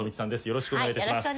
よろしくお願いします。